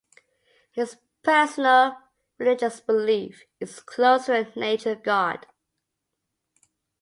His personal religious belief is close to a nature god.